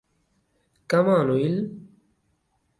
Come on, will.